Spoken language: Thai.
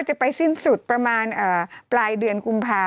จำกัดจำนวนได้ไม่เกิน๕๐๐คนนะคะ